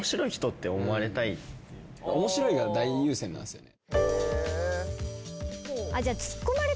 「面白い」が大優先なんすよね。